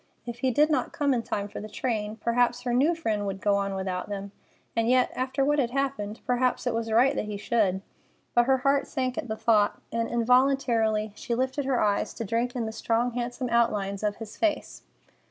If he did not come in time for the train, perhaps her new friend would go on without them, and yet, after what had happened, perhaps it was right that he should. But her heart sank at the thought, and involuntarily she lifted her eyes to drink in the strong, handsome outlines of his face.